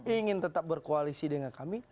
ingin tetap berkoalisi dengan kami